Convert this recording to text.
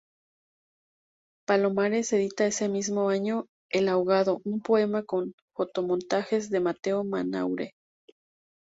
Palomares edita ese mismo año "El ahogado", un poema con fotomontajes de Mateo Manaure.